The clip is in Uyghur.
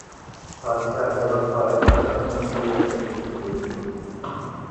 پادىشاھ جاللاتقا ھېلىقى رەسسامنىڭ كاللىسىنى ئېلىشنى بۇيرۇپتۇ.